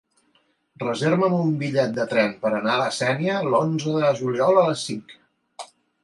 Reserva'm un bitllet de tren per anar a la Sénia l'onze de juliol a les cinc.